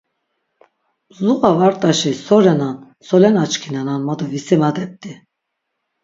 Mzuğa vart̆aşi so renan solen açkinenan ma do visimadep̆t̆i.